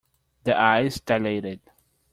The eyes dilated.